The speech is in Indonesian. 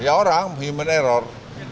ya orang human error